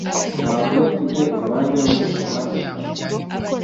Ntabwo mfite umwanya wo gusoma ibitabo